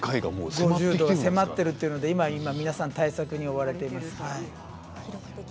迫ってきているということで今、皆さん対策に追われています。